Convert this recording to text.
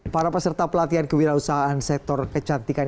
para peserta pelatihan kewirausahaan sektor kecantikan